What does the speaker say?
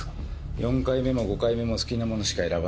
４回目も５回目も好きなものしか選ばない。